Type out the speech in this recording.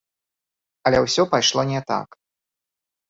Але ўсё пайшло не так.